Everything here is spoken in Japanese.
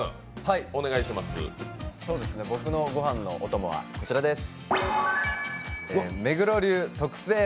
僕のごはんのお供はこちらです。